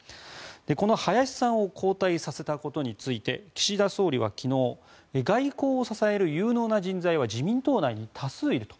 この林さんを交代させたことについて岸田総理は昨日外交を支える有能な人材は自民党内に多数いると。